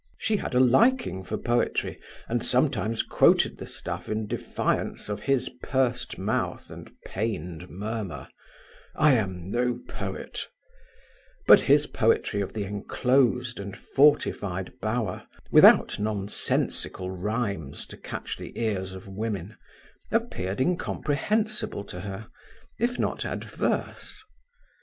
She had a liking for poetry, and sometimes quoted the stuff in defiance of his pursed mouth and pained murmur: "I am no poet;" but his poetry of the enclosed and fortified bower, without nonsensical rhymes to catch the ears of women, appeared incomprehensible to her, if not adverse.